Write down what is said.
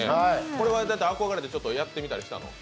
これは憧れてちょっとやってみたりしたの？